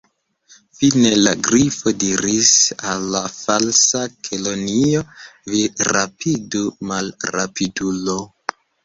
Fine, la Grifo diris al la Falsa Kelonio: "Vi rapidu, malrapidulo! «